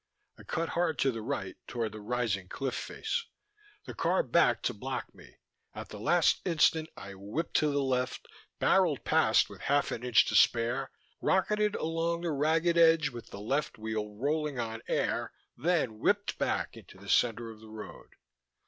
I cut hard to the right, toward the rising cliff face; the car backed to block me. At the last instant I whipped to the left, barreled past with half an inch to spare, rocketed along the ragged edge with the left wheel rolling on air, then whipped back into the center of the road.